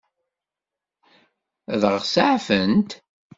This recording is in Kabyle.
Ad ɣ-seɛfent?